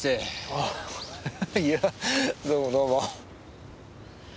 あっいやどうもどうも。